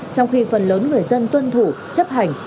trong khi phần lớn người dân tuân thủ chấp hành